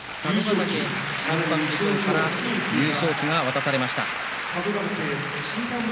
嶽審判部長から優勝旗が渡されました。